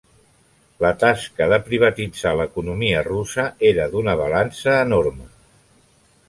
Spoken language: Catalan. La tasca de privatitzar l'economia russa era d'una balança enorme.